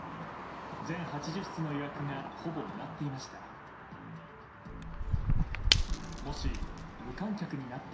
全８０室の予約がほぼ埋まっていました。